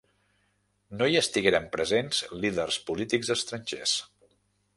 No hi estigueren presents líders polítics estrangers.